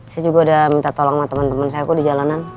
saya juga udah minta tolong sama temen temen saya di jalanan